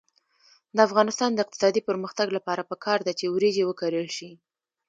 د افغانستان د اقتصادي پرمختګ لپاره پکار ده چې وریجې وکرل شي.